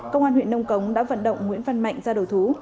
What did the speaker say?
công an huyện nông cống đã vận động nguyễn văn mạnh ra đầu thú